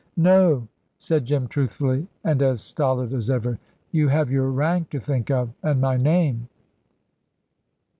"No," said Jim, truthfully, and as stolid as ever; "you have your rank to think of, and my name."